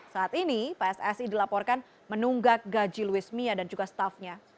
saat ini pssi dilaporkan menunggak gaji luis mia dan juga staffnya